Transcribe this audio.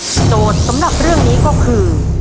โจทย์สำหรับเรื่องนี้ก็คือ